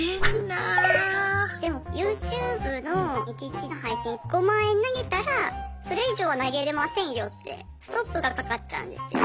でもＹｏｕＴｕｂｅの１日の配信５万円投げたらそれ以上は投げれませんよってストップがかかっちゃうんですよね。